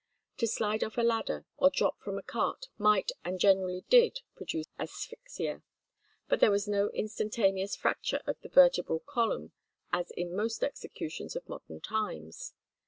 To slide off a ladder or drop from a cart might and generally did produce asphyxia, but there was no instantaneous fracture of the vertebral column as in most executions of modern times.